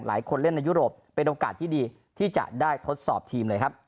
หลายคนเล่นในยุโรปเป็นโอกาสที่ดีที่จะได้ทดสอบทีมเลยครับ